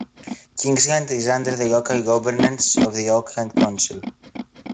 Kingsland is under the local governance of the Auckland Council.